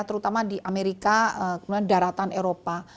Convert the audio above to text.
terutama di amerika kemudian daratan eropa